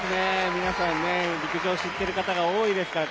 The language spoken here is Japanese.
皆さん、陸上を知っている方が多いですから。